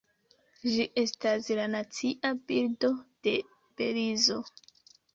Ĝi estas la nacia birdo de Belizo.